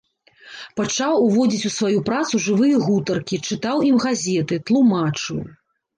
Пачаў уводзіць у сваю працу жывыя гутаркі, чытаў ім газеты, тлумачыў.